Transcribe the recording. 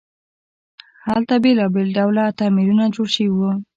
هلته بیلابیل ډوله تعمیرونه جوړ شوي وو.